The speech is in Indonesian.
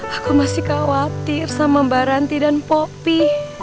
aku masih khawatir sama mbak ranti dan popi